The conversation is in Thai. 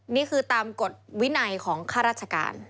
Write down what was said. นี่คือตามกฎวินัยของข้าราชการ